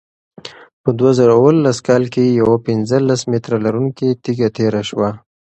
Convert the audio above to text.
په دوه زره اوولس کال کې یوه پنځلس متره لرونکې تیږه تېره شوه.